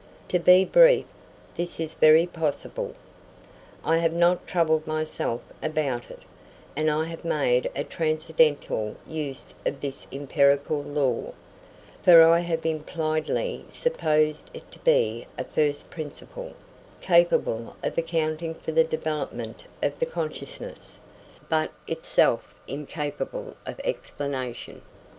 To be brief, this is very possible. I have not troubled myself about it, and I have made a transcendental use of this empirical law; for I have impliedly supposed it to be a first principle, capable of accounting for the development of the consciousness, but itself incapable of explanation.